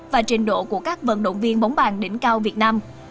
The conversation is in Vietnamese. và trình độ của các vận động viên bóng bàn đỉnh cao việt nam